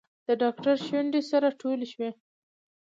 د ډاکتر شونډې سره ټولې شوې.